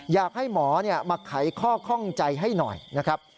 อยากให้หมอมาไขข้อข้องใจให้หน่อยนะครับ